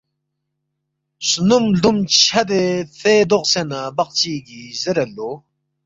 سنم لدُم چھدے فے دوقسے نہ بق چیگی زیریدلو